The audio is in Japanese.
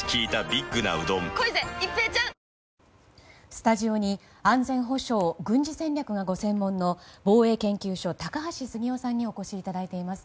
スタジオに安全保障、軍事戦略がご専門の防衛研究所、高橋杉雄さんにお越しいただいています。